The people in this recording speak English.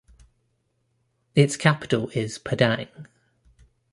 Its capital is Padang.